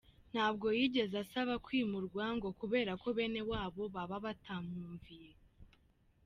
Ntabwo yigeze asaba kwimurwa ngo kubera ko bene wabo baba batamwumviye!